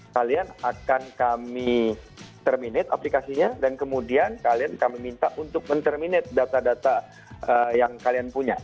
kalian akan kami terminate aplikasinya dan kemudian kalian kami minta untuk men terminate data data yang kalian punya